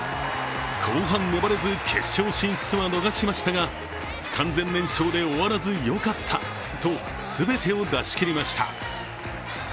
後半粘れず、決勝進出は逃しましたが、不完全燃焼で終わらずよかったと、全てを出し切りました。